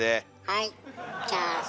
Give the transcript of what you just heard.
はい。